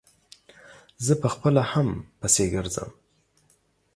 زه په خپله هم پسې ګرځم.